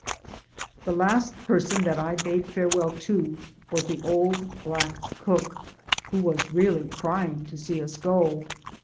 The last person that I bade farewell to, was the old black cook, who was really crying to see us go.